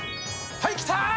はい、きた！